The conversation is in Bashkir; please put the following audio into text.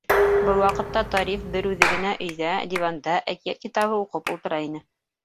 Был ваҡытта Тариф бер үҙе генә өйҙә, диванда әкиәт китабы уҡып ултыра ине.